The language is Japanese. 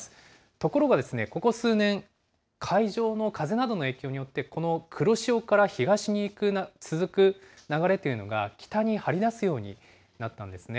ところがここ数年、海上の風などの影響によって、この黒潮から東に続く流れというのが、北に張り出すようになったんですね。